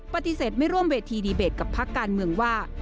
ปฏิเสธไม่ร่วมเวทีดีเบตกับพักการเมืองว่า